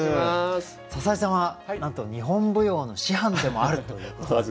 篠井さんはなんと日本舞踊の師範でもあるということで。